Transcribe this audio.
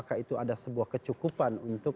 ada sebuah kecukupan untuk